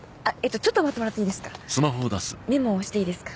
ちょっと待ってもらってメモをしていいですか？